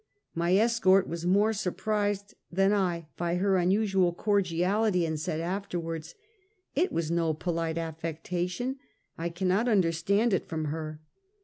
My escort was more surprised than I by her unusu al cordiality, and said afterwards: " It was no polite afifectation. I cannot understand it from her."